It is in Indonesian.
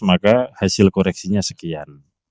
maka hasil koreksinya sekian